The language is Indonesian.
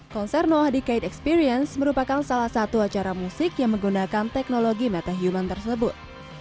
konser no hadicate experience merupakan salah satu acara musik yang menggunakan teknologi metahuman tersebut